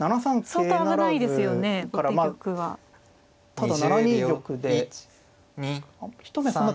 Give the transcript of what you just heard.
ただ７二玉で一目そんな